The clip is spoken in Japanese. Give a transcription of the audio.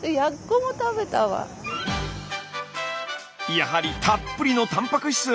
やはりたっぷりのたんぱく質。